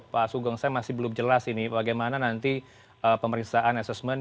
pak sugeng saya masih belum jelas ini bagaimana nanti pemeriksaan assessment